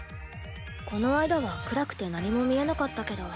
この間は暗くて何も見えなかったけど。